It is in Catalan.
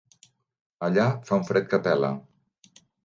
Allà fa un fred que pela.